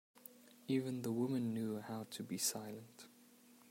Even the women knew how to be silent.